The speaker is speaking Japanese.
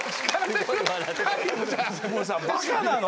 もうさバカなの？